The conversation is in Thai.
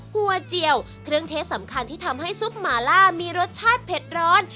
หัวเจียวเครื่องเทศสำคัญที่ทำให้ซุปหมาล่ามีรสชาติเผ็ดร้อน